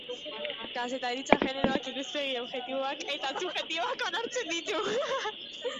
Kazetaritza generoak ikuspegi objektiboak eta subjektiboak onartzen ditu.